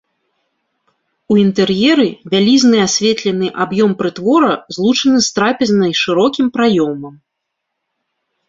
У інтэр'еры вялізны асветлены аб'ём прытвора злучаны з трапезнай шырокім праёмам.